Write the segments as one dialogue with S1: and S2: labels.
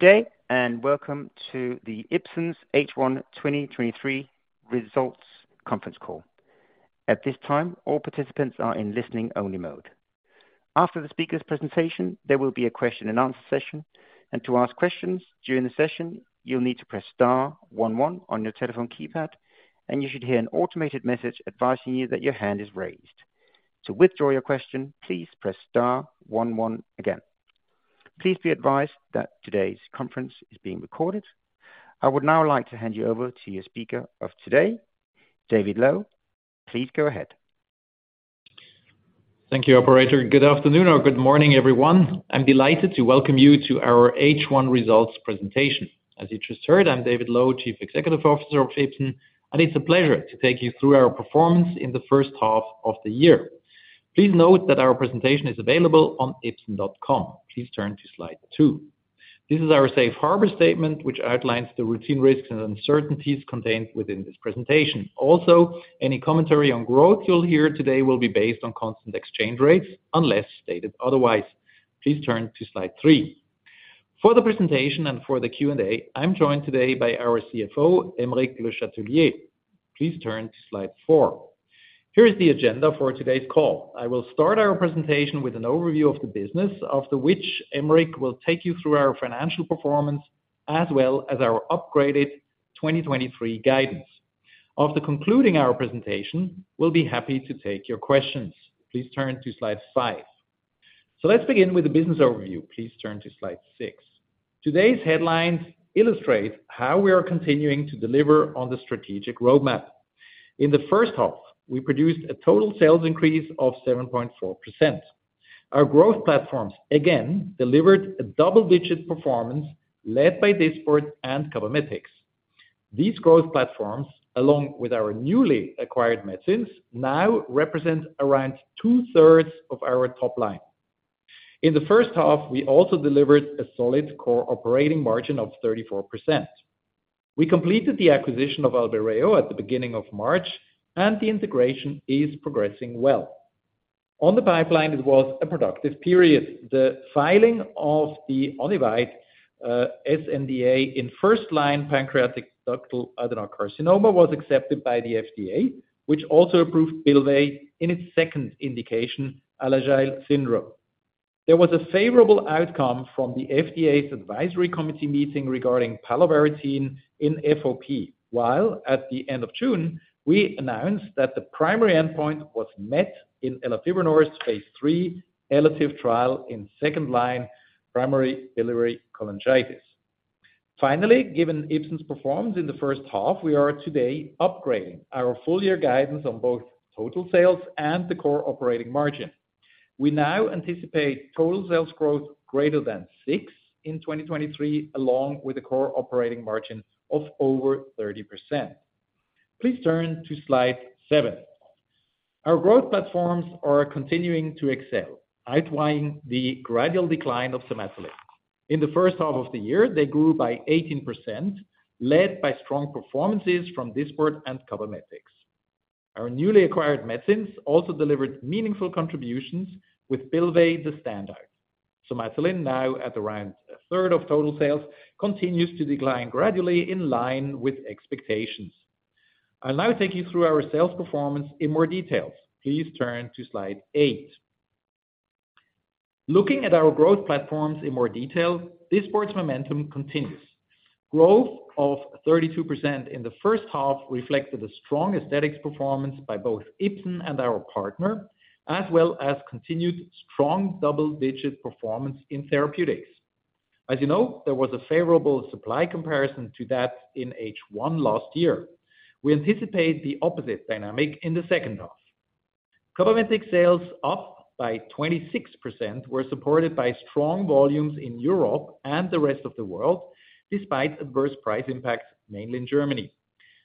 S1: Good day, and welcome to the Ipsen's H1 2023 Results conference call. At this time, all participants are in listening-only mode. After the speaker's presentation, there will be a question-and-answer session, and to ask questions during the session, you'll need to press star one one on your telephone keypad, and you should hear an automated message advising you that your hand is raised. To withdraw your question, please press star one one again. Please be advised that today's conference is being recorded. I would now like to hand you over to your speaker of today, David Loew. Please go ahead.
S2: Thank you, operator. Good afternoon or good morning, everyone. I'm delighted to welcome you to our H1 results presentation. As you just heard, I'm David Loew, Chief Executive Officer of Ipsen, and it's a pleasure to take you through our performance in the first half of the year. Please note that our presentation is available on ipsen.com. Please turn to slide 2. This is our safe harbor statement, which outlines the routine risks and uncertainties contained within this presentation. Also, any commentary on growth you'll hear today will be based on constant exchange rates, unless stated otherwise. Please turn to slide 3. For the presentation and for the Q&A, I'm joined today by our CFO, Aymeric Le Chatelier. Please turn to slide 4. Here is the agenda for today's call. I will start our presentation with an overview of the business, after which Aymeric will take you through our financial performance, as well as our upgraded 2023 guidance. After concluding our presentation, we'll be happy to take your questions. Please turn to slide 5. Let's begin with the business overview. Please turn to slide 6. Today's headlines illustrate how we are continuing to deliver on the strategic roadmap. In the first half, we produced a total sales increase of 7.4%. Our growth platforms again delivered a double-digit performance led by Dysport and Cabometyx. These growth platforms, along with our newly acquired medicines, now represent around two-thirds of our top line. In the first half, we also delivered a solid core operating margin of 34%. We completed the acquisition of Albireo at the beginning of March, and the integration is progressing well. On the pipeline, it was a productive period. The filing of the Onivyde sNDA in first line pancreatic ductal adenocarcinoma was accepted by the FDA, which also approved Bylvay in its second indication, Alagille syndrome. There was a favorable outcome from the FDA's advisory committee meeting regarding palovarotene in FOP, while at the end of June, we announced that the primary endpoint was met in elafibranor's phase III ELATIVE trial in second-line primary biliary cholangitis. Given Ipsen's performance in the first half, we are today upgrading our full year guidance on both total sales and the core operating margin. We now anticipate total sales growth greater than six in 2023, along with a core operating margin of over 30%. Please turn to slide 7. Our growth platforms are continuing to excel, outlining the gradual decline of Somatuline. In the first half of the year, they grew by 18%, led by strong performances from Dysport and Cabometyx. Our newly acquired medicines also delivered meaningful contributions with Bylvay the standard. Somatuline, now at around a third of total sales, continues to decline gradually in line with expectations. I'll now take you through our sales performance in more details. Please turn to slide 8. Looking at our growth platforms in more detail, Dysport's momentum continues. Growth of 32% in the first half reflected a strong aesthetics performance by both Ipsen and our partner, as well as continued strong double-digit performance in therapeutics. As you know, there was a favorable supply comparison to that in H1 last year. We anticipate the opposite dynamic in the second half. Cabometyx sales up by 26% were supported by strong volumes in Europe and the rest of the world, despite adverse price impacts, mainly in Germany.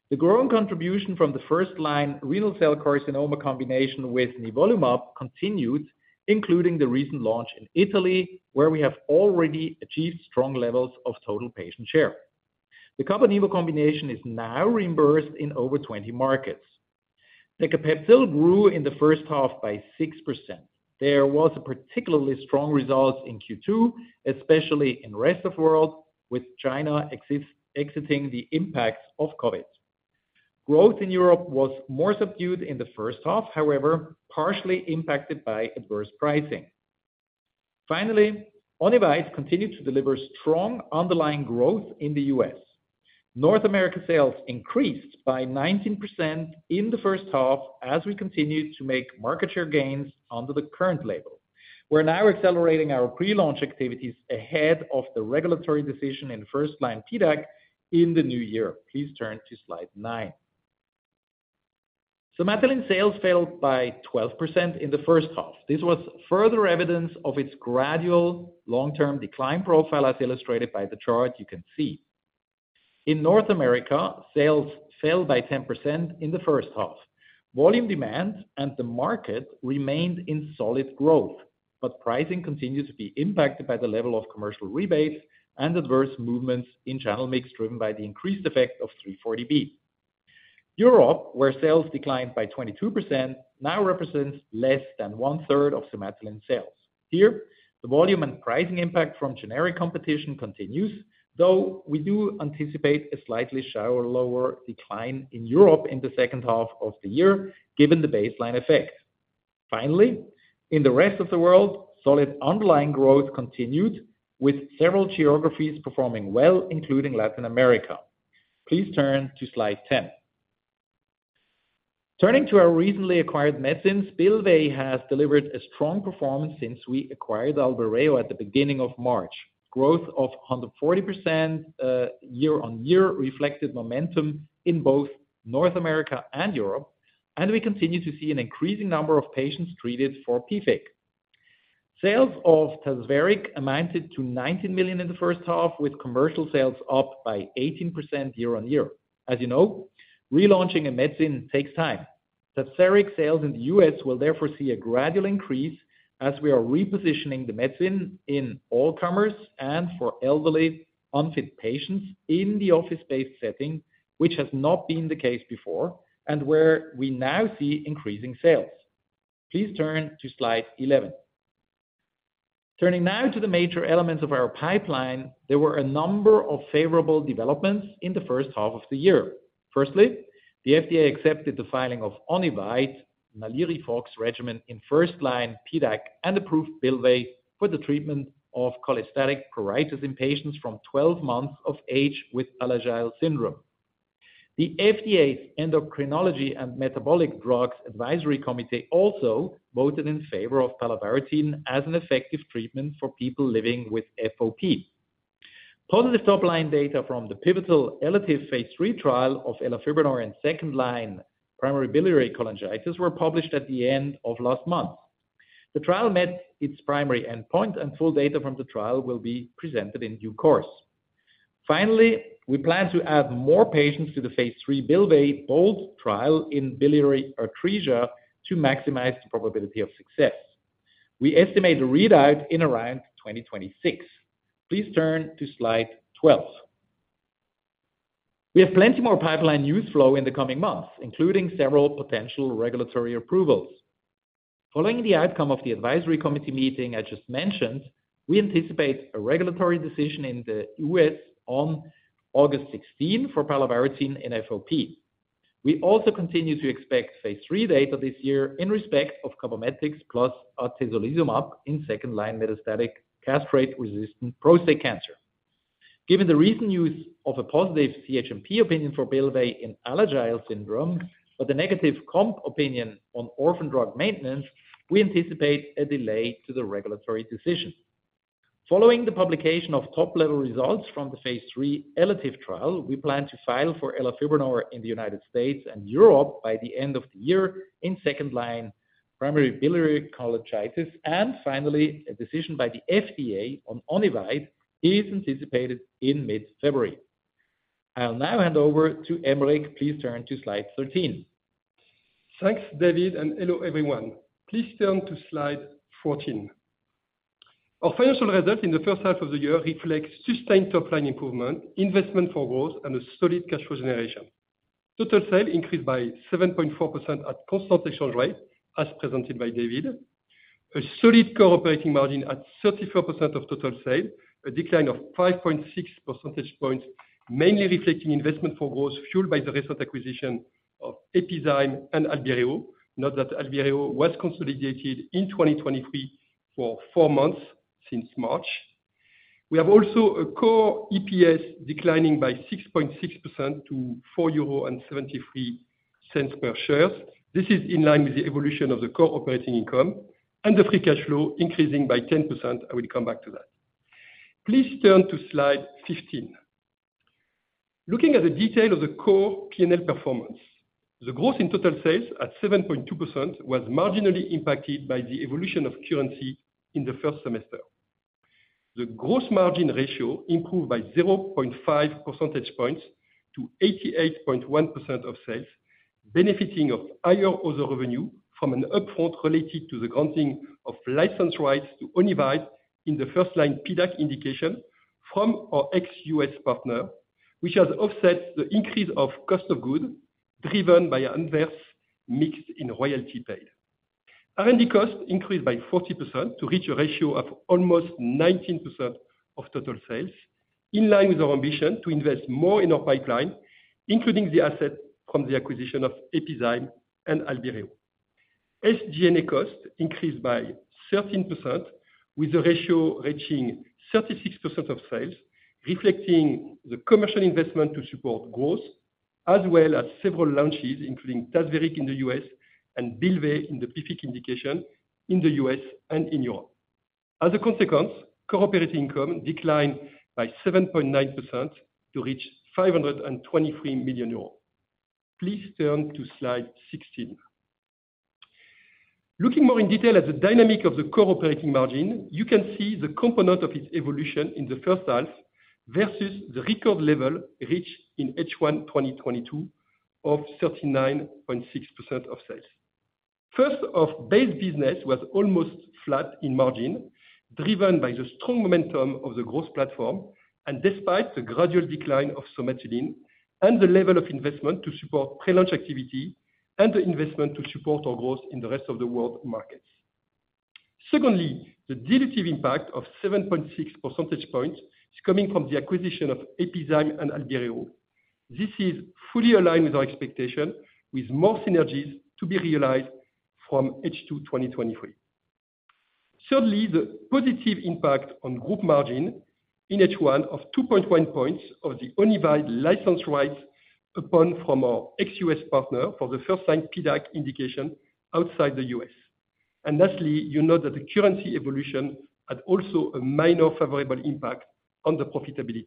S2: The growing contribution from the first line renal cell carcinoma combination with nivolumab continued, including the recent launch in Italy, where we have already achieved strong levels of total patient share. The Cabometyx combination is now reimbursed in over 20 markets. Decapeptyl grew in the first half by 6%. There was a particularly strong result in Q2, especially in rest of world, with China exiting the impacts of COVID. Growth in Europe was more subdued in the first half, however, partially impacted by adverse pricing. Finally, Onivyde continued to deliver strong underlying growth in the U.S.. North America sales increased by 19% in the first half as we continued to make market share gains under the current label. We're now accelerating our pre-launch activities ahead of the regulatory decision in first line PDAC in the new year. Please turn to slide 9. Somatuline sales fell by 12% in the first half. This was further evidence of its gradual long-term decline profile, as illustrated by the chart you can see. In North America, sales fell by 10% in the first half. Volume demand and the market remained in solid growth, but pricing continued to be impacted by the level of commercial rebates and adverse movements in channel mix, driven by the increased effect of 340B. Europe, where sales declined by 22%, now represents less than one-third of Somatuline sales. Here, the volume and pricing impact from generic competition continues, though we do anticipate a slightly shallower, lower decline in Europe in the second half of the year, given the baseline effect. Finally, in the rest of the world, solid underlying growth continued, with several geographies performing well, including Latin America. Please turn to slide 10. Turning to our recently acquired medicines, Bylvay has delivered a strong performance since we acquired Albireo at the beginning of March. Growth of 140% year-on-year reflected momentum in both North America and Europe. We continue to see an increasing number of patients treated for PFIC. Sales of Tazverik amounted to 19 million in the first half, with commercial sales up by 18% year-on-year. As you know, relaunching a medicine takes time. Tazverik sales in the U.S. will therefore see a gradual increase as we are repositioning the medicine in all comers and for elderly, unfit patients in the office-based setting, which has not been the case before, and where we now see increasing sales. Please turn to slide 11. Turning now to the major elements of our pipeline, there were a number of favorable developments in the first half of the year. The FDA accepted the filing of Onivyde, NALIRIFOX regimen in first line PDAC, and approved Bylvay for the treatment of cholestatic pruritus in patients from 12 months of age with Alagille syndrome. The FDA's Endocrinologic and Metabolic Drugs Advisory Committee also voted in favor of palovarotene as an effective treatment for people living with FOP. Positive top-line data from the pivotal ELATIVE phase III trial of elafibranor in second line primary biliary cholangitis were published at the end of last month. The trial met its primary endpoint, full data from the trial will be presented in due course. We plan to add more patients to the phase III Bylvay BOLD trial in biliary atresia to maximize the probability of success. We estimate the readout in around 2026. Please turn to slide 12. We have plenty more pipeline news flow in the coming months, including several potential regulatory approvals. Following the outcome of the advisory committee meeting I just mentioned, we anticipate a regulatory decision in the U.S. on August 16 for palovarotene and FOP. We also continue to expect phase III data this year in respect of Cabometyx plus atezolizumab in second-line metastatic, castrate-resistant prostate cancer. Given the recent use of a positive CHMP opinion for Bylvay in Alagille syndrome, but the negative COMP opinion on orphan drug maintenance, we anticipate a delay to the regulatory decision. Following the publication of top-level results from the phase III ELATIVE trial, we plan to file for elafibranor in the United States and Europe by the end of the year in second-line primary biliary cholangitis. Finally, a decision by the FDA on Onivyde is anticipated in mid-February. I'll now hand over to Aymeric. Please turn to slide 13.
S3: Thanks, David. Hello, everyone. Please turn to slide 14. Our financial results in the first half of the year reflects sustained top-line improvement, investment for growth, and a solid cash flow generation. Total sales increased by 7.4% at constant exchange rate, as presented by David. A solid core operating margin at 34% of total sales, a decline of 5.6 percentage points, mainly reflecting investment for growth, fueled by the recent acquisition of Epizyme and Albireo. Note that Albireo was consolidated in 2023 for four months, since March. We have also a core EPS declining by 6.6% to 4.73 euro per share. This is in line with the evolution of the core operating income and the free cash flow increasing by 10%. I will come back to that. Please turn to slide 15. Looking at the detail of the core P&L performance, the growth in total sales at 7.2% was marginally impacted by the evolution of currency in the first semester. The gross margin ratio improved by 0.5 percentage points to 88.1% of sales, benefiting of higher other revenue from an upfront related to the granting of license rights to Onivyde in the first-line PDAC indication from our ex-U.S. partner, which has offset the increase of cost of goods driven by adverse mix in royalty paid. R&D costs increased by 40% to reach a ratio of almost 19% of total sales, in line with our ambition to invest more in our pipeline, including the asset from the acquisition of Epizyme and Albireo. SG&A costs increased by 13%, with the ratio reaching 36% of sales, reflecting the commercial investment to support growth, as well as several launches, including Tazverik in the U.S. and Bylvay in the PFIC indication in the U.S. and in Europe. core operating income declined by 7.9% to reach 523 million euros. Please turn to slide 16. Looking more in detail at the dynamic of the core operating margin, you can see the component of its evolution in the first half versus the record level reached in H1 2022 of 39.6% of sales. First off, base business was almost flat in margin, driven by the strong momentum of the growth platform, and despite the gradual decline of Somatuline and the level of investment to support pre-launch activity and the investment to support our growth in the rest of the world markets. Secondly, the dilutive impact of 7.6 percentage points is coming from the acquisition of Epizyme and Albireo. This is fully aligned with our expectation, with more synergies to be realized from H2, 2023. Thirdly, the positive impact on group margin in H1 of 2.1 points of the Onivyde license rights upon from our ex-U.S. partner for the first time PDAC indication outside the U.S.. Lastly, you know that the currency evolution had also a minor favorable impact on the profitability.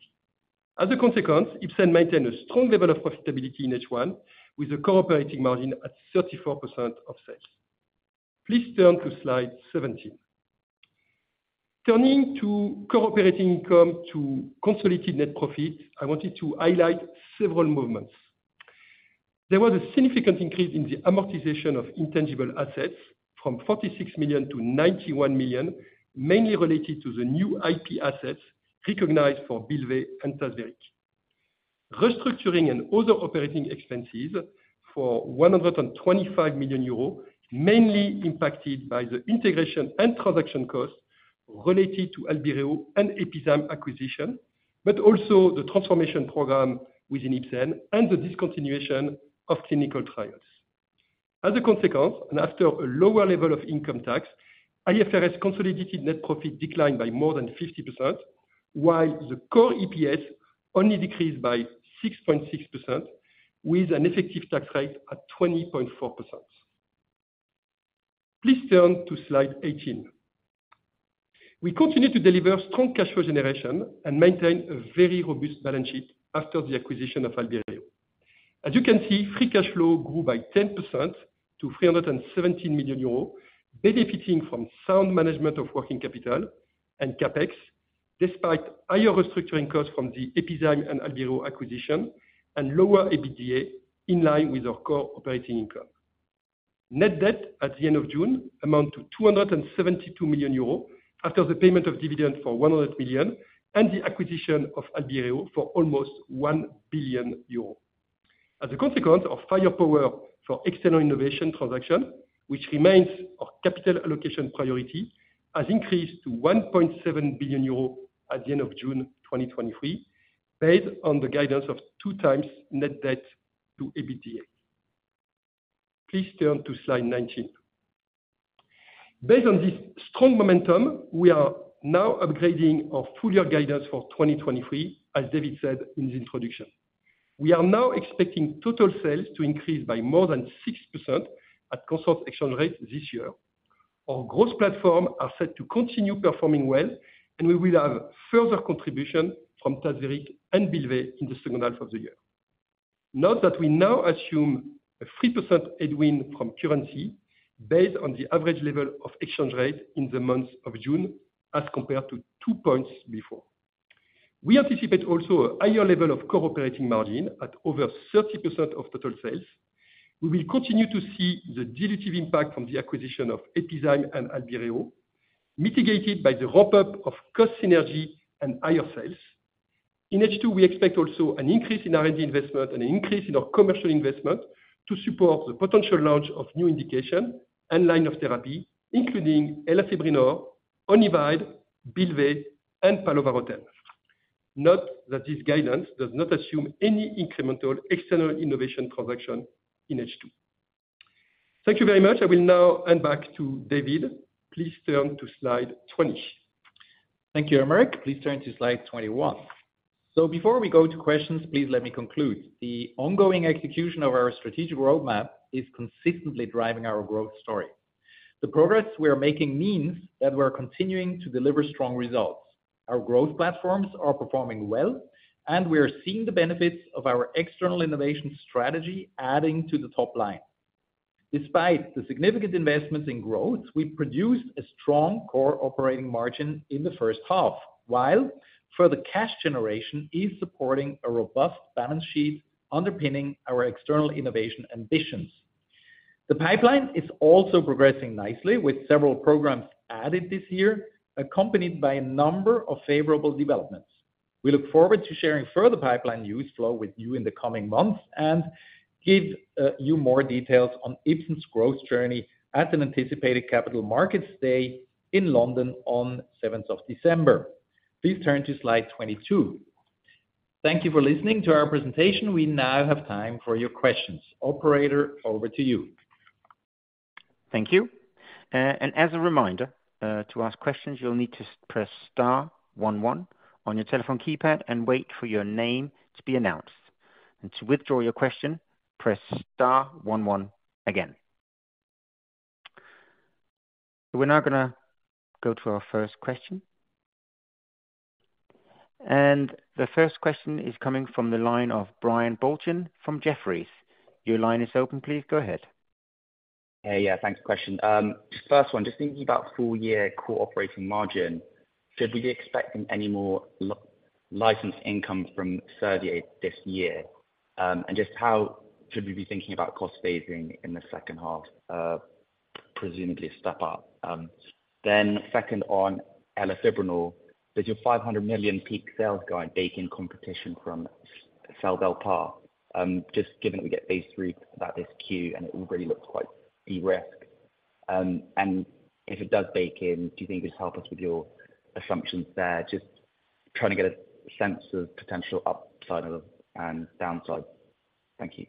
S3: As a consequence, Ipsen maintained a strong level of profitability in H1 with a core operating margin at 34% of sales. Please turn to slide 17. Turning to core operating income to consolidated net profit, I wanted to highlight several movements. There was a significant increase in the amortization of intangible assets from 46 million to 91 million, mainly related to the new IP assets recognized for Bylvay and Tazverik. Restructuring and other operating expenses for 125 million euros, mainly impacted by the integration and transaction costs related to Albireo and Epizyme acquisition, but also the transformation program within Ipsen and the discontinuation of clinical trials. As a consequence, after a lower level of income tax, IFRS consolidated net profit declined by more than 50%, while the core EPS only decreased by 6.6% with an effective tax rate at 20.4%. Please turn to slide 18. We continue to deliver strong cash flow generation and maintain a very robust balance sheet after the acquisition of Albireo. As you can see, free cash flow grew by 10% to 317 million euros, benefiting from sound management of working capital and CapEx, despite higher restructuring costs from the Epizyme and Albireo acquisition and lower EBITDA in line with our core operating income. Net debt at the end of June amount to 272 million euros, after the payment of dividend for 100 million and the acquisition of Albireo for almost 1 billion euros. As a consequence of firepower for external innovation transaction, which remains our capital allocation priority, has increased to 1 billion euro at the end of June 2023, based on the guidance of two times net debt to EBITDA. Please turn to slide 19. Based on this strong momentum, we are now upgrading our full year guidance for 2023, as David Loew said in the introduction. We are now expecting total sales to increase by more than 6% at constant exchange rate this year. Our growth platform are set to continue performing well, and we will have further contribution from Tazverik and Bylvay in the second half of the year. Note that we now assume a 3% headwind from currency based on the average level of exchange rate in the month of June, as compared to two points before. We anticipate also a higher level of core operating margin at over 30% of total sales. We will continue to see the dilutive impact from the acquisition of Epizyme and Albireo, mitigated by the ramp-up of cost synergy and higher sales. In H2, we expect also an increase in R&D investment and an increase in our commercial investment to support the potential launch of new indication and line of therapy, including elafibranor, Onivyde, Bylvay, and palovarotene. Note that this guidance does not assume any incremental external innovation transaction in H2. Thank you very much. I will now hand back to David. Please turn to slide 20.
S2: Thank you, Aymeric. Please turn to slide 21. Before we go to questions, please let me conclude. The ongoing execution of our strategic roadmap is consistently driving our growth story. The progress we are making means that we're continuing to deliver strong results. Our growth platforms are performing well, and we are seeing the benefits of our external innovation strategy adding to the top line. Despite the significant investments in growth, we've produced a strong core operating margin in the first half, while further cash generation is supporting a robust balance sheet underpinning our external innovation ambitions. The pipeline is also progressing nicely, with several programs added this year, accompanied by a number of favorable developments. We look forward to sharing further pipeline news flow with you in the coming months, give you more details on Ipsen's growth journey at an anticipated capital market stay in London on seventh of December. Please turn to slide 22. Thank you for listening to our presentation. We now have time for your questions. Operator, over to you.
S1: Thank you. As a reminder, to ask questions, you'll need to press star one one on your telephone keypad and wait for your name to be announced. To withdraw your question, press star one one again. We're now gonna go to our first question. The first question is coming from the line of Brian Bolton from Jefferies. Your line is open, please go ahead.
S4: Hey, yeah, thanks for the question. First one, just thinking about full year core operating margin, should we be expecting any more license income from Servier this year? Just how should we be thinking about cost saving in the second half, presumably step up? Second on elafibranor, does your $500 million peak sales guide bake in competition from seladelpar? Just given that we get phase III about this Q, and it already looks quite de-risked. If it does bake in, do you think you could help us with your assumptions there? Just trying to get a sense of potential upside and downside. Thank you.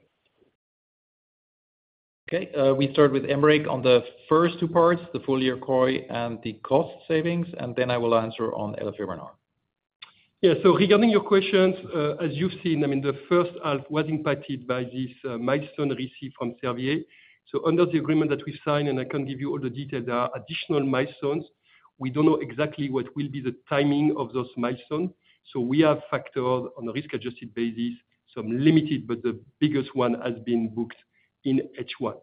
S2: Okay. We start with Aymeric on the first two parts, the full year COI and the cost savings, and then I will answer on elafibranor.
S3: Yeah. Regarding your questions, as you've seen, I mean, the first half was impacted by this milestone received from Servier. Under the agreement that we signed, and I can give you all the details, there are additional milestones. We don't know exactly what will be the timing of those milestones, we have factored on a risk-adjusted basis, some limited, but the biggest one has been booked in H1.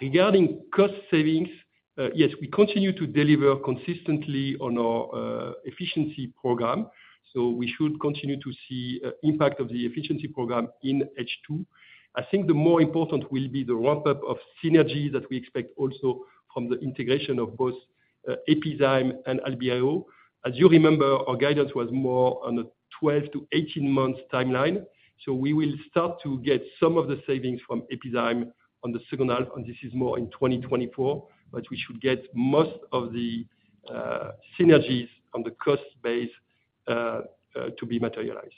S3: Regarding cost savings, yes, we continue to deliver consistently on our efficiency program, we should continue to see impact of the efficiency program in H2. I think the more important will be the ramp-up of synergy that we expect also from the integration of both Epizyme and Albireo. As you remember, our guidance was more on a 12-18 months timeline, so we will start to get some of the savings from Epizyme on the second half, and this is more in 2024, but we should get most of the synergies on the cost base to be materialized.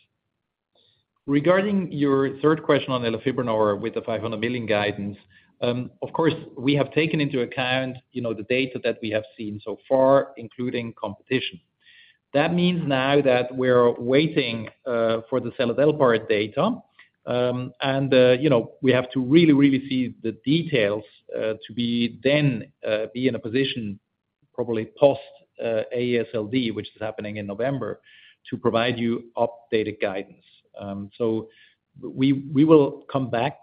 S2: Regarding your third question on elafibranor with the 500 million guidance. Of course, we have taken into account, you know, the data that we have seen so far, including competition. That means now that we're waiting for the seladelpar data, and, you know, we have to really, really see the details to be then in a position probably post AASLD, which is happening in November, to provide you updated guidance. We will come back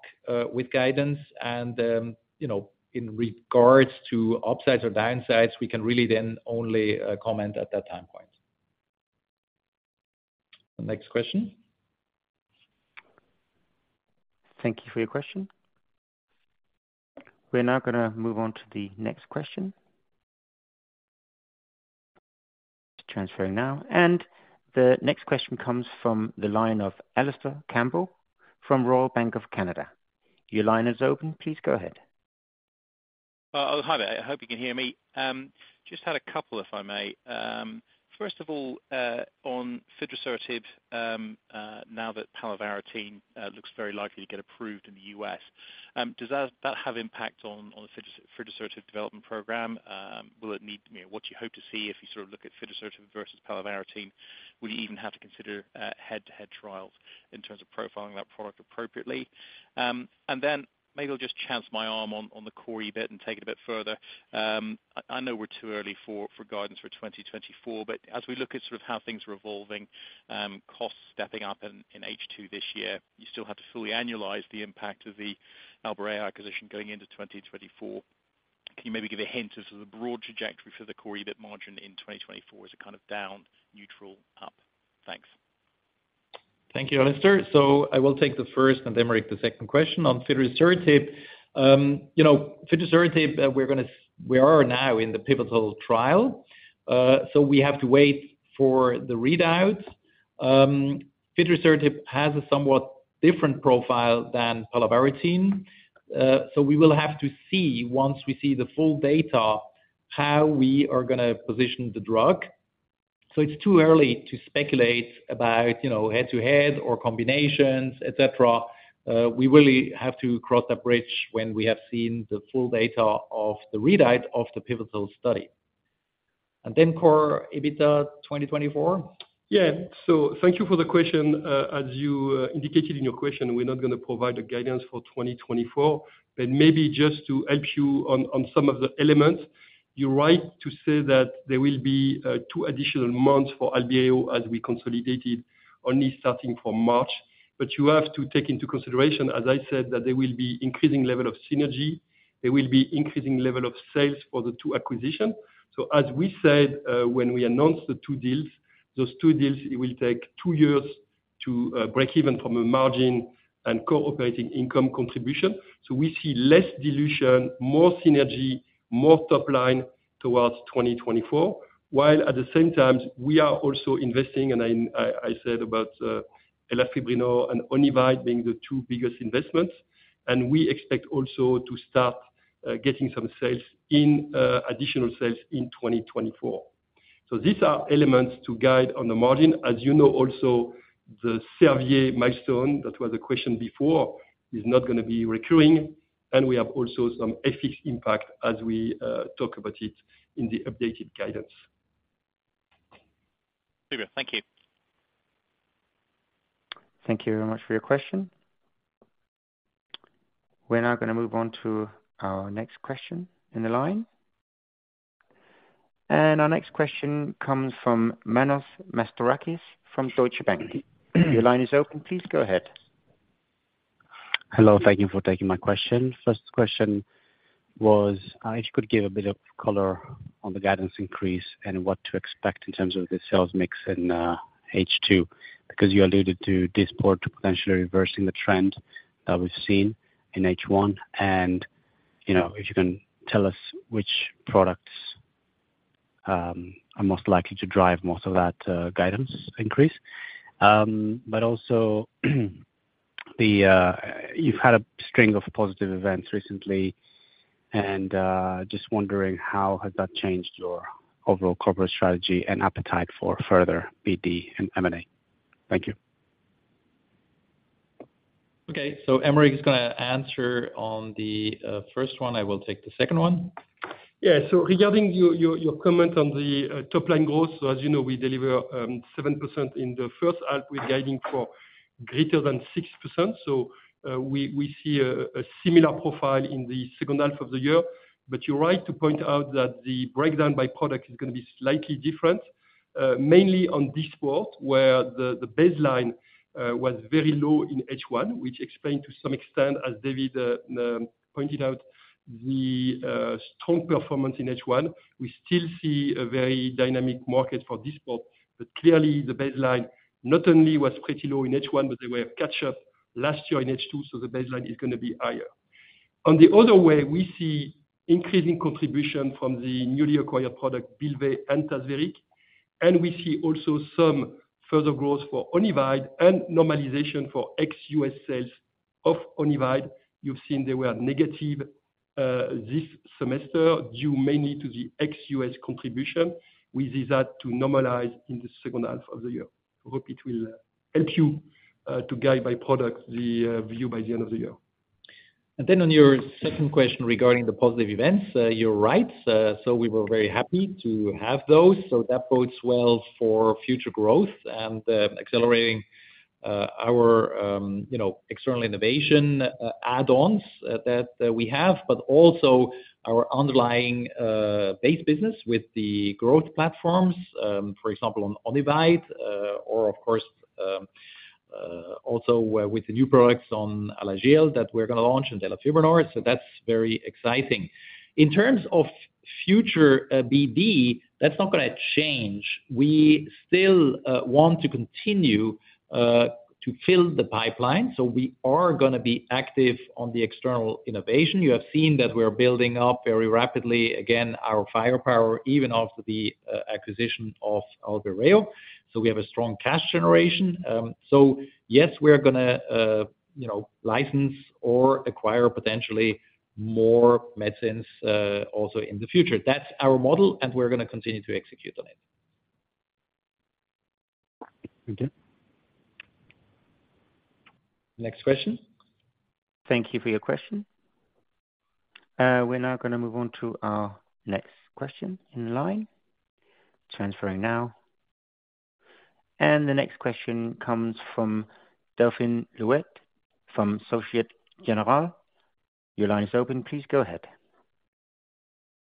S2: with guidance and, you know, in regards to upsides or downsides, we can really then only comment at that time point. Next question.
S1: Thank you for your question. We're now gonna move on to the next question. Just transferring now. The next question comes from the line of Alistair Campbell, from Royal Bank of Canada. Your line is open. Please go ahead.
S5: Hi there. I hope you can hear me. Just had a couple, if I may. First of all, on fidrisertib, now that palovarotene looks very likely to get approved in the U.S., does that have impact on the fidrisertib development program? Will it need... You know, what do you hope to see if you sort of look at fidrisertib versus palovarotene? Will you even have to consider head-to-head trials in terms of profiling that product appropriately? Then maybe I'll just chance my arm on the core EBIT and take it a bit further. I know we're too early for guidance for 2024, but as we look at sort of how things are evolving, costs stepping up in H2 this year, you still have to fully annualize the impact of the Albireo acquisition going into 2024. Can you maybe give a hint as to the broad trajectory for the core EBIT margin in 2024? Is it kind of down, neutral, up? Thanks.
S2: Thank you, Alistair. I will take the first, and Aymeric, the second question. On fidrisertib, you know, fidrisertib, we are now in the pivotal trial, we have to wait for the readouts. fidrisertib has a somewhat different profile than palovarotene, we will have to see once we see the full data, how we are gonna position the drug. It's too early to speculate about, you know, head-to-head or combinations, et cetera. We really have to cross that bridge when we have seen the full data of the readout of the pivotal study. Core EBITDA 2024?
S3: Thank you for the question. As you indicated in your question, we're not gonna provide a guidance for 2024, but maybe just to help you on, on some of the elements, you're right to say that there will be two additional months for Albireo as we consolidated, only starting from March. You have to take into consideration, as I said, that there will be increasing level of synergy, there will be increasing level of sales for the two acquisition. As we said, when we announced the two deals, those two deals, it will take two years to break even from a margin and core operating income contribution. We see less dilution, more synergy, more top line towards 2024. While at the same time, we are also investing, and I said about elafibranor and Onivyde being the two biggest investments, and we expect also to start getting some sales in additional sales in 2024. These are elements to guide on the margin. As you know, also, the Servier milestone, that was a question before, is not gonna be recurring, and we have also some ethics impact as we talk about it in the updated guidance.
S5: Very well. Thank you.
S1: Thank you very much for your question. We're now gonna move on to our next question in the line. Our next question comes from Manos Mastorakis from Deutsche Bank. Your line is open. Please go ahead.
S6: Hello, thank you for taking my question. First question was, if you could give a bit of color on the guidance increase and what to expect in terms of the sales mix in H2, because you alluded to Dysport potentially reversing the trend that we've seen in H1. You know, if you can tell us which products are most likely to drive most of that guidance increase. Also, you've had a string of positive events recently and just wondering how has that changed your overall corporate strategy and appetite for further BD and M&A? Thank you.
S2: Okay. Aymeric is going to answer on the first one. I will take the second one.
S3: Regarding your comment on the top line growth, as you know, we deliver 7% in the first half. We're guiding for greater than 6%, so we see a similar profile in the second half of the year. You're right to point out that the breakdown by product is gonna be slightly different, mainly on Dysport, where the baseline was very low in H1, which explained to some extent, as David pointed out, the strong performance in H1. We still see a very dynamic market for Dysport, but clearly the baseline not only was pretty low in H1, but there were catch up last year in H2, so the baseline is gonna be higher. On the other way, we see increasing contribution from the newly acquired product, Bylvay and Tazverik, and we see also some further growth for Onivyde and normalization for ex-U.S. sales of Onivyde. You've seen they were negative this semester, due mainly to the ex-U.S. contribution. We see that to normalize in the second half of the year. I hope it will help you to guide by product, the view by the end of the year.
S2: On your second question regarding the positive events, you're right. We were very happy to have those, so that bodes well for future growth and accelerating our, you know, external innovation add-ons that we have. Also our underlying base business with the growth platforms, for example, on Onivyde, or of course, also with the new products on Alagille that we're gonna launch and elafibranor, so that's very exciting. In terms of future BD, that's not gonna change. We still want to continue to fill the pipeline. We are gonna be active on the external innovation. You have seen that we're building up very rapidly, again, our firepower, even after the acquisition of Albireo. We have a strong cash generation. Yes, we're gonna, you know, license or acquire potentially more medicines, also in the future. That's our model, we're gonna continue to execute on it.
S6: Thank you.
S2: Next question.
S1: Thank you for your question. We're now going to move on to our next question in line. Transferring now. The next question comes from Delphine Lhuillier, from Société Générale. Your line is open, please go ahead.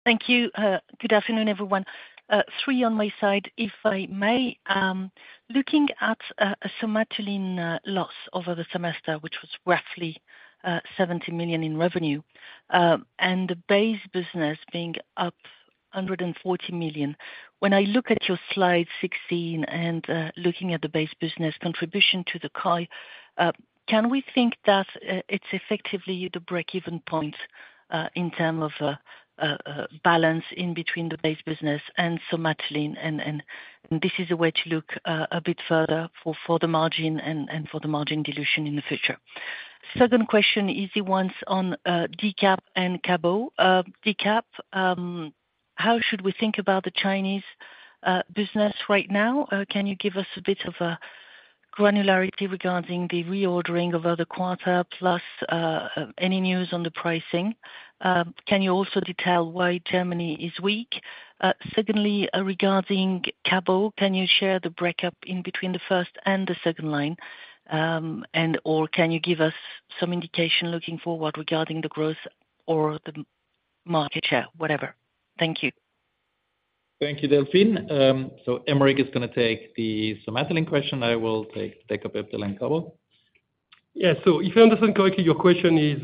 S7: Thank you. Good afternoon, everyone. Three on my side, if I may. Looking at Somatuline loss over the semester, which was roughly 70 million in revenue, and the base business being up 140 million. When I look at your slide 16 and looking at the base business contribution to the COI, can we think that it's effectively the break-even point in term of balance in between the base business and Somatuline and this is a way to look a bit further for the margin and for the margin dilution in the future. Second question is the ones on DCAP and Cabo. DCAP, how should we think about the Chinese business right now? Can you give us a bit of a granularity regarding the reordering of other quarter, plus, any news on the pricing? Can you also detail why Germany is weak? Secondly, regarding Cabo, can you share the breakup in between the first and the second line? Can you give us some indication looking forward regarding the growth or the market share, whatever. Thank you.
S2: Thank you, Delphine. Aymeric is gonna take the Somatuline question. I will take up afterline Cabo.
S3: If I understand correctly, your question is,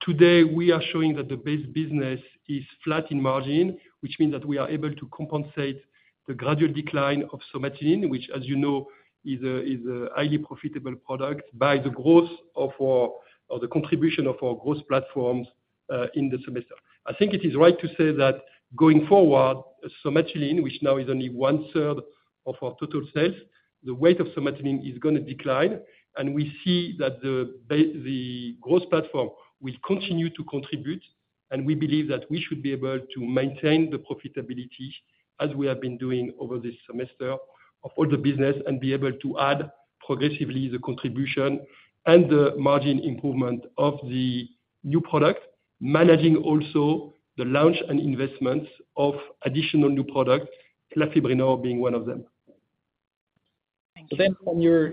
S3: today we are showing that the base business is flat in margin, which means that we are able to compensate the gradual decline of Somatuline, which, as you know, is a highly profitable product by the contribution of our growth platforms in the semester. I think it is right to say that going forward, Somatuline, which now is only 1/3 of our total sales, the weight of Somatuline is gonna decline, and we see that the growth platform will continue to contribute. We believe that we should be able to maintain the profitability as we have been doing over this semester, of all the business, and be able to add progressively the contribution and the margin improvement of the new product. Managing also the launch and investments of additional new products, elafibranor being one of them.
S2: on your,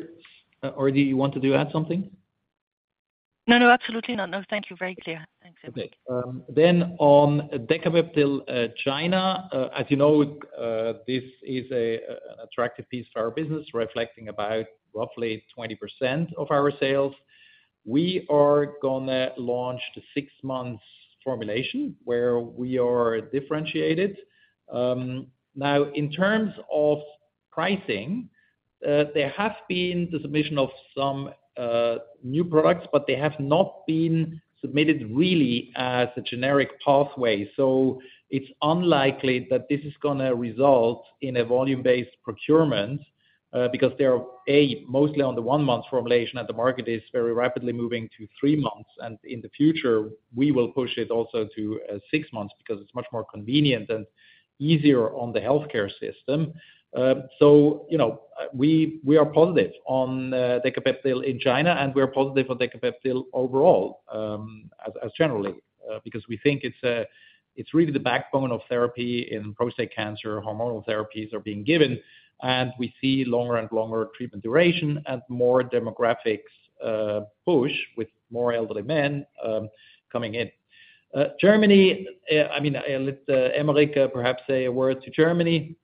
S2: or do you want to add something?
S7: No, no, absolutely not. No, thank you. Very clear. Thanks.
S2: Okay. On Decapeptyl, China, as you know, this is an attractive piece to our business, reflecting about roughly 20% of our sales. We are going to launch the six months formulation where we are differentiated. Now, in terms of pricing, there have been the submission of some new products, they have not been submitted really as a generic pathway. It's unlikely that this is going to result in a volume-based procurement, because they are, A., mostly on the one-month formulation, the market is very rapidly moving to three months, in the future, we will push it also to six months because it's much more convenient and easier on the healthcare system. You know, we are positive on Decapeptyl in China, and we are positive for Decapeptyl overall, as generally, because we think it's really the backbone of therapy in prostate cancer. Hormonal therapies are being given, and we see longer and longer treatment duration and more demographics push with more elderly men coming in. Germany, I mean, let Aymeric, perhaps, say a word to Germany.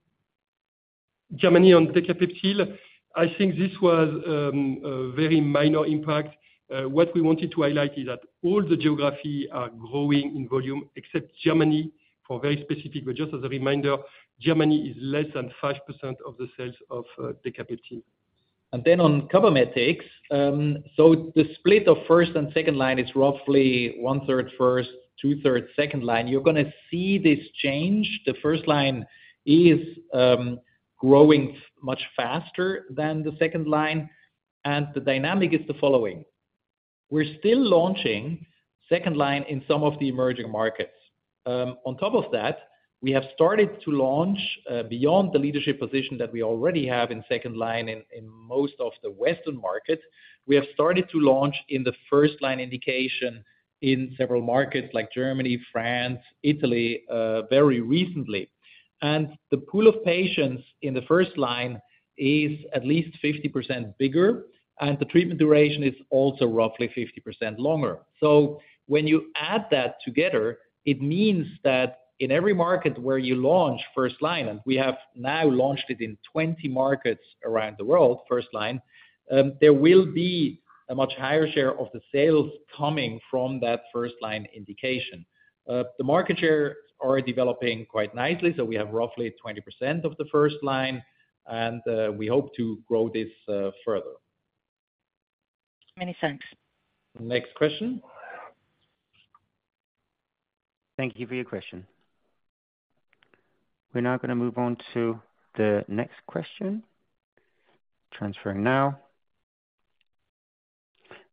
S3: Germany on Decapeptyl, I think this was a very minor impact. What we wanted to highlight is that all the geography are growing in volume except Germany, for very specific, just as a reminder, Germany is less than 5% of the sales of Decapeptyl.
S2: On Cabometyx, the split of first and second line is roughly 1/3 first, 2/3 second line. You're going to see this change. The first line is growing much faster than the second line. The dynamic is the following: we're still launching second line in some of the emerging markets. On top of that, we have started to launch beyond the leadership position that we already have in second line in most of the Western markets. We have started to launch in the first line indication in several markets like Germany, France, Italy very recently. The pool of patients in the first line is at least 50% bigger, and the treatment duration is also roughly 50% longer. When you add that together, it means that in every market where you launch first line, and we have now launched it in 20 markets around the world, first line, there will be a much higher share of the sales coming from that first line indication. The market share are developing quite nicely, so we have roughly 20% of the first line, and we hope to grow this further.
S7: Many thanks.
S2: Next question.
S1: Thank you for your question. We're now going to move on to the next question. Transferring now.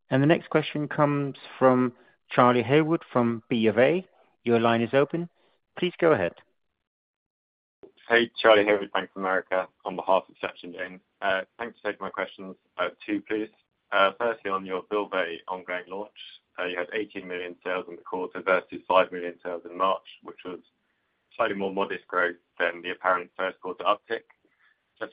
S1: The next question comes from Charlie Haywood, from Bank of America. Your line is open. Please go ahead.
S8: Charlie Haywood, Bank of America, on behalf of. [inaudible] Thanks for taking my questions. I have two, please. Firstly, on your Bylvay ongoing launch, you had $18 million sales in the quarter versus $5 million sales in March, which was slightly more modest growth than the apparent 1st quarter uptick.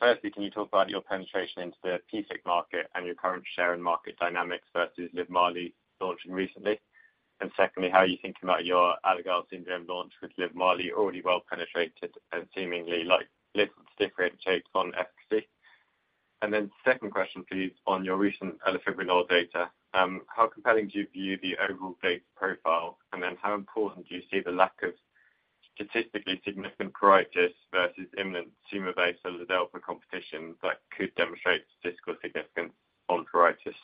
S8: Firstly, can you talk about your penetration into the PFIC market and your current share in market dynamics versus LIVMARLI launching recently? Secondly, how are you thinking about your Alagille syndrome launch with LIVMARLI already well penetrated and seemingly like little differentiated on FC? Second question, please, on your recent elafibranor data, how compelling do you view the overall data profile? How important do you see the lack of statistically significant pruritus versus imminent seladelpar or seladelpar competition that could demonstrate statistical significance on pruritus?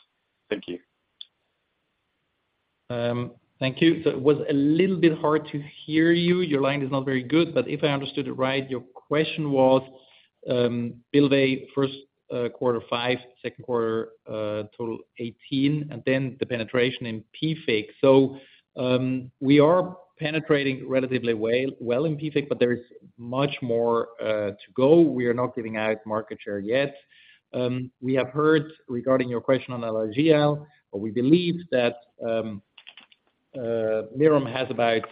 S8: Thank you.
S2: Thank you. It was a little bit hard to hear you. Your line is not very good, but if I understood it right, your question was, Bylvay first quarter five, second quarter, total 18, and then the penetration in PFIC. We are penetrating relatively well in PFIC, but there is much more to go. We are not giving out market share yet. We have heard regarding your question on ALGS, we believe that Mirum Pharmaceuticals has about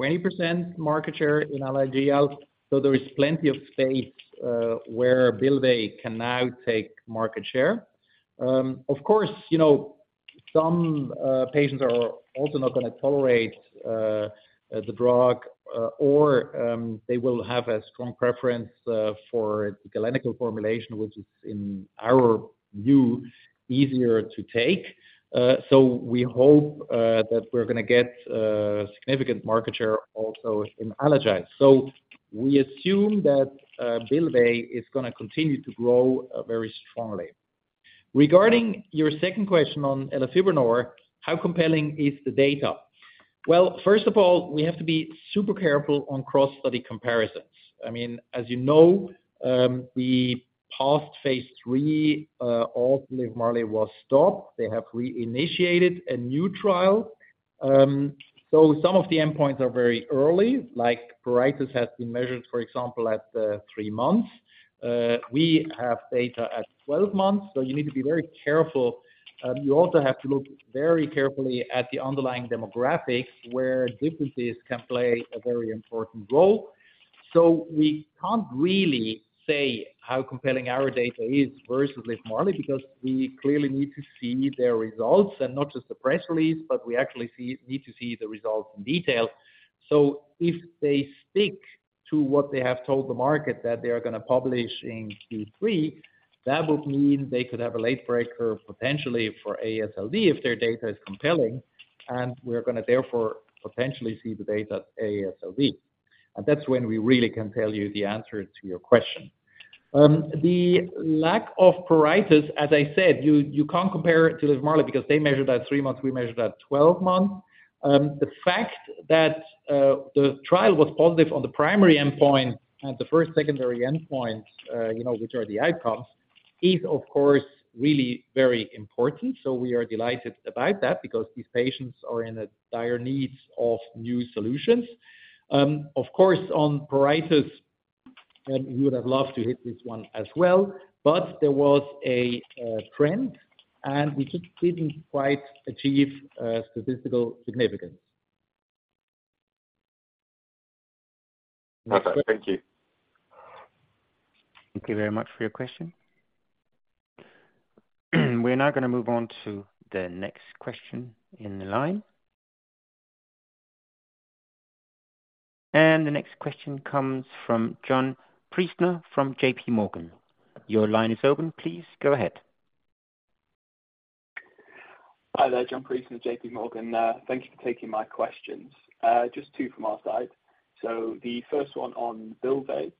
S2: 20% market share in ALGS, there is plenty of space where Bylvay can now take market share. Of course, you know, some patients are also not going to tolerate the drug or they will have a strong preference for the galenic formulation, which is, in our view, easier to take. We hope that we're going to get significant market share also in Alagille. We assume that Bylvay is going to continue to grow very strongly. Regarding your second question on elafibranor, how compelling is the data? Well, first of all, we have to be super careful on cross-study comparisons. I mean, as you know, we passed phase III, all LIVMARLI was stopped. They have reinitiated a new trial. Some of the endpoints are very early, like cholestatic pruritus has been measured, for example, at three months. We have data at 12 months, you need to be very careful. You also have to look very carefully at the underlying demographics, where differences can play a very important role. We can't really say how compelling our data is versus with Marley, because we clearly need to see their results and not just the press release, but we actually need to see the results in detail. If they stick to what they have told the market that they are going to publish in Q3, that would mean they could have a late breaker, potentially for AASLD, if their data is compelling, and we're going to therefore potentially see the data at AASLD. That's when we really can tell you the answer to your question. The lack of pruritus, as I said, you can't compare it to LIVMARLI because they measured at three months, we measured at 12 months. The fact that the trial was positive on the primary endpoint and the first secondary endpoint, you know, which are the outcomes, is of course, really very important. We are delighted about that because these patients are in a dire need of new solutions. Of course, on pruritus, and we would have loved to hit this one as well, but there was a trend, and we just didn't quite achieve statistical significance.
S1: Okay, thank you. Thank you very much for your question. We're now going to move on to the next question in the line. The next question comes from Richard Vosser from JPMorgan. Your line is open. Please, go ahead.
S9: Hi there, Richard Vosser, JP Morgan. Thank you for taking my questions. Just two from our side. The first one on Bylvay.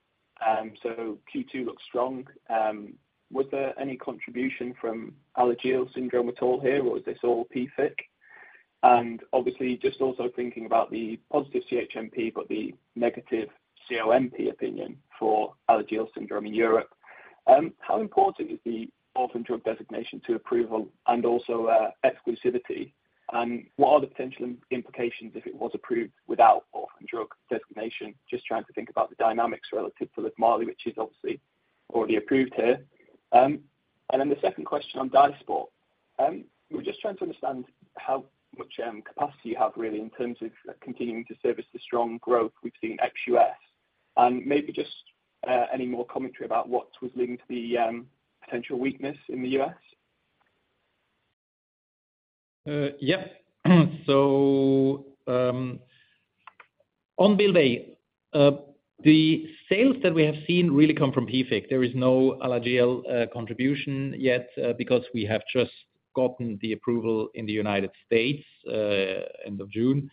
S9: Q2 looks strong. Was there any contribution from Alagille syndrome at all here, or is this all PFIC? Obviously, just also thinking about the positive CHMP, but the negative COMP opinion for Alagille syndrome in Europe. How important is the orphan drug designation to approval and also exclusivity? What are the potential implications if it was approved without orphan drug designation? Just trying to think about the dynamics relative to LIVMARLI, which is obviously already approved here. Then the second question on Dysport. We're just trying to understand how much capacity you have, really, in terms of continuing to service the strong growth we've seen ex-U.S. Maybe just any more commentary about what was leading to the potential weakness in the U.S.?
S2: On Bylvay, the sales that we have seen really come from PFIC. There is no Alagille contribution yet, because we have just gotten the approval in the United States end of June.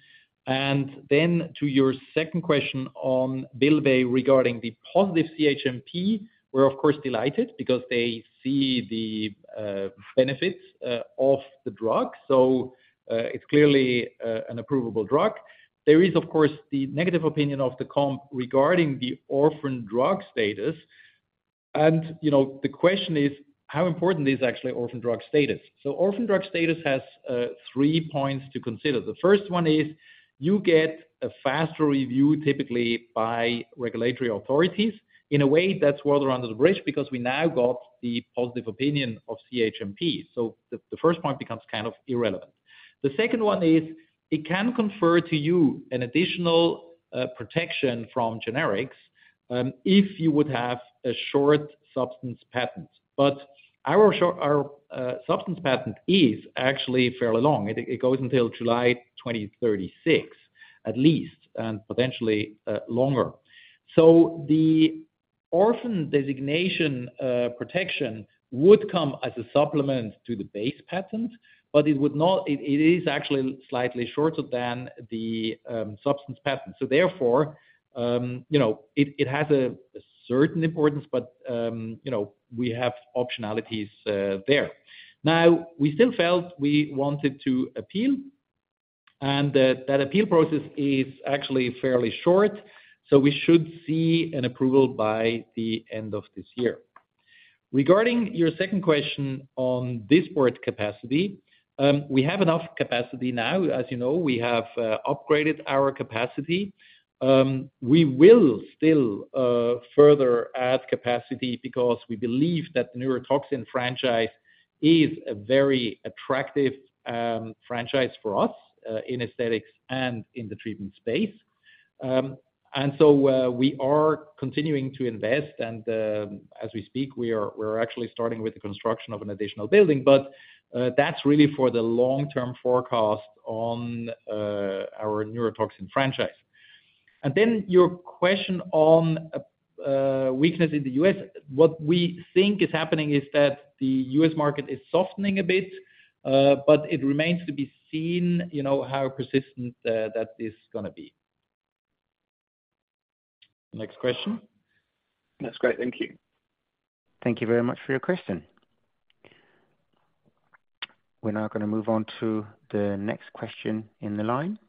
S2: To your second question on Bylvay regarding the positive CHMP, we're of course, delighted because they see the benefits of the drug. It's clearly an approvable drug. There is, of course, the negative opinion of the COMP regarding the orphan drug status. You know, the question is, how important is actually orphan drug status? Orphan drug status has three points to consider. The first one is you get a faster review, typically by regulatory authorities. In a way, that's water under the bridge because we now got the positive opinion of CHMP. The first point becomes kind of irrelevant. The second one is, it can confer to you an additional protection from generics, if you would have a short substance patent. Our substance patent is actually fairly long. It goes until July 2036, at least, and potentially longer. The orphan designation protection would come as a supplement to the base patent, it is actually slightly shorter than the substance patent. Therefore, you know, it has a certain importance, but, you know, we have optionalities there. We still felt we wanted to appeal, and that appeal process is actually fairly short, we should see an approval by the end of this year. Regarding your second question on Dysport capacity, we have enough capacity now. As you know, we have upgraded our capacity. We will still further add capacity because we believe that the neurotoxin franchise is a very attractive franchise for us in aesthetics and in the treatment space. We are continuing to invest, and as we speak, we're actually starting with the construction of an additional building, that's really for the long-term forecast on our neurotoxin franchise. Your question on weakness in the U.S.. What we think is happening is that the U.S. market is softening a bit, it remains to be seen, you know, how persistent that is gonna be. Next question?
S9: That's great. Thank you.
S1: Thank you very much for your question. We're now gonna move on to the next question in the line.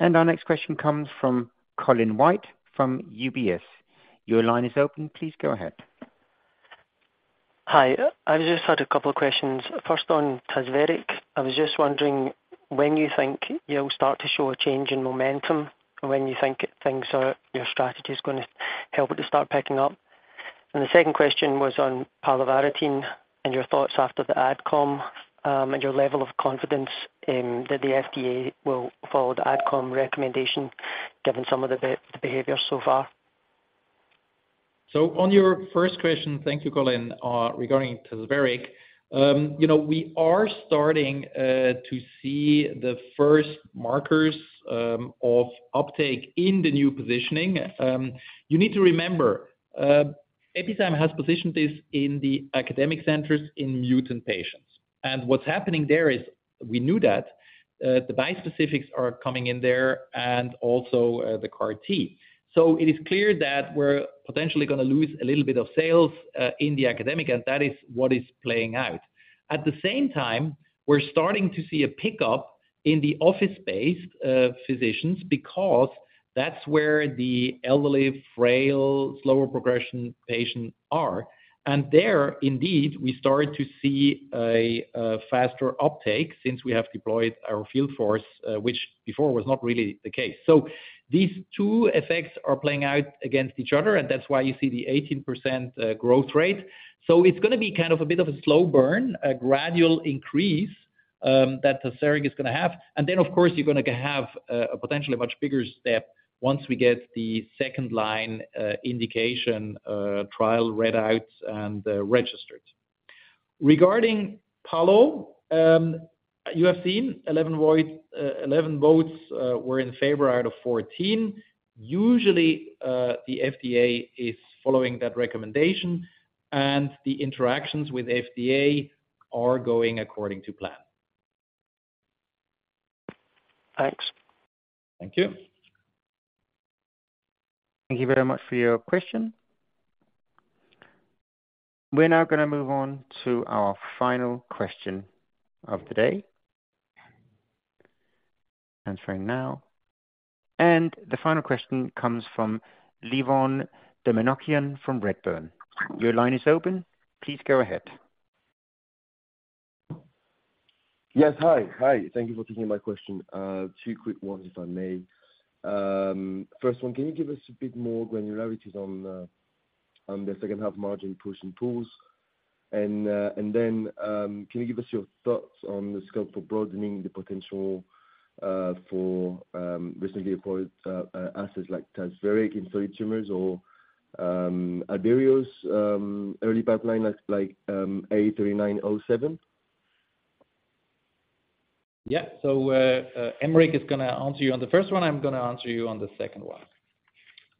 S1: Our next question comes from Sachin Jain, from UBS. Your line is open. Please go ahead.
S10: Hi. I've just had a couple of questions. First, on Tazverik, I was just wondering when you think you'll start to show a change in momentum, and when you think things are, your strategy is going to help it to start picking up? The second question was on palovarotene and your thoughts after the AdCom, and your level of confidence in that the FDA will follow the AdCom recommendation, given some of the behavior so far.
S2: On your first question, thank you, Sachin, you know, we are starting to see the first markers of uptake in the new positioning. You need to remember, Epizyme has positioned this in the academic centers in mutant patients. What's happening there is we knew that the bispecifics are coming in there and also the CAR T. It is clear that we're potentially going to lose a little bit of sales in the academic, and that is what is playing out. At the same time, we're starting to see a pickup in the office-based physicians because that's where the elderly, frail, slower progression patients are. There, indeed, we started to see a faster uptake since we have deployed our field force, which before was not really the case. These two effects are playing out against each other, and that's why you see the 18% growth rate. It's going to be kind of a bit of a slow burn, a gradual increase that Tazverik is going to have. Of course, you're going to have a potentially much bigger step once we get the second line indication trial, read out and registered. Regarding palovarotene, you have seen 11 votes were in favor out of 14. Usually, the FDA is following that recommendation, and the interactions with FDA are going according to plan.
S10: Thanks.
S2: Thank you.
S1: Thank you very much for your question. We're now going to move on to our final question of the day. Answering now. The final question comes from Levon Demirdjian from Redburn. Your line is open. Please go ahead.
S11: Yes, hi. Hi, thank you for taking my question. Two quick ones, if I may. First one, can you give us a bit more granularities on the, on the second half margin push and pulls? Can you give us your thoughts on the scope for broadening the potential for recently approved assets like Tazverik in solid tumors or Albireo's early pipeline, like A3907?
S2: Yeah. Aymeric is going to answer you on the first one. I'm going to answer you on the second one.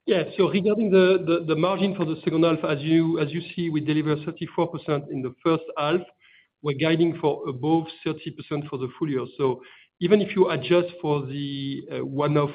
S3: Regarding the margin for the second half, as you see, we deliver 34% in the first half. We're guiding for above 30% for the full year. Even if you adjust for the one-off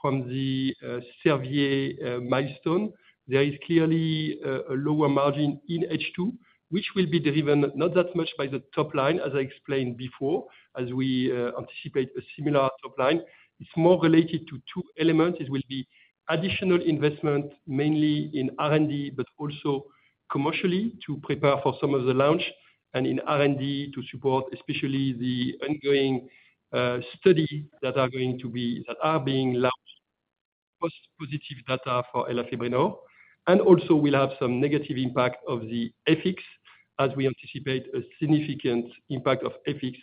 S3: from the Servier milestone, there is clearly a lower margin in H2, which will be driven not that much by the top line, as I explained before, as we anticipate a similar top line. It's more related to two elements. It will be additional investment, mainly in R&D, but also commercially to prepare for some of the launch, and in R&D to support, especially the ongoing study that are being launched, post positive data for elafibranor. Also we'll have some negative impact of the FX as we anticipate a significant impact of FX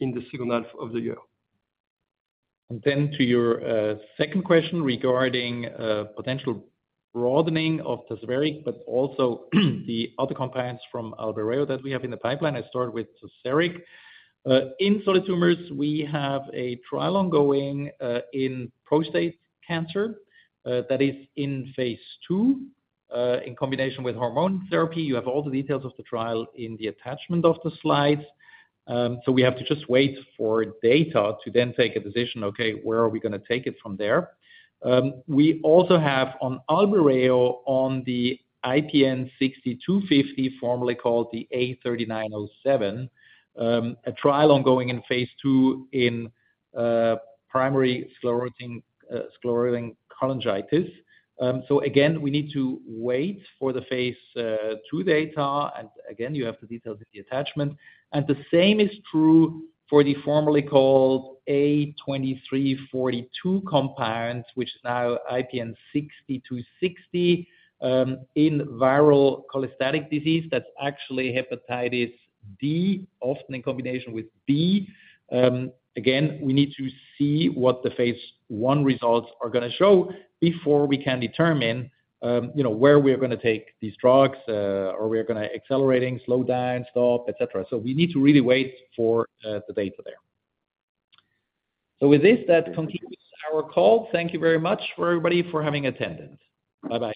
S3: in the second half of the year.
S2: To your second question regarding potential broadening of Tazverik, but also the other compounds from Albireo that we have in the pipeline. I'll start with Tazverik. In solid tumors, we have a trial ongoing in prostate cancer that is in phase II in combination with hormone therapy. You have all the details of the trial in the attachment of the slides. We have to just wait for data to then take a decision, okay, where are we going to take it from there? We also have on Albireo, on the IPN60250, formerly called the A3907, a trial ongoing in phase II in primary sclerosing cholangitis. Again, we need to wait for the phase II data. Again, you have the details in the attachment. The same is true for the formerly called A2342 compound, which is now IPN60260 in viral cholestatic disease. That's actually hepatitis D, often in combination with B. Again, we need to see what the phase 1 results are going to show before we can determine, you know, where we are going to take these drugs, or we are going to accelerating, slow down, stop, et cetera. We need to really wait for the data there. With this, that concludes our call. Thank you very much for everybody, for having attendance. Bye-bye.
S1: Bye.